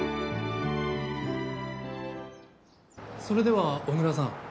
それでは小倉さん。